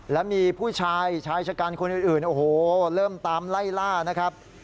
แล้วมีผู้ชายชายชะกันคนอื่นโอ้โหเริ่มตามไล่ล่านะครับ